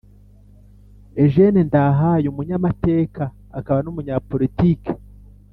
eugène ndahayo, umunyamateka akaba n' umunyapolitike,